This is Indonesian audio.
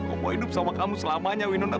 aku mau hidup sama kamu selamanya winona